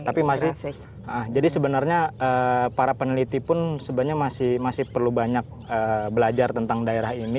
tapi masih jadi sebenarnya para peneliti pun sebenarnya masih perlu banyak belajar tentang daerah ini